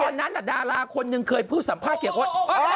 ตอนนั้นและดาราคนหนึ่งเคยเพิ่งสัมภาษณ์เขียนโปรด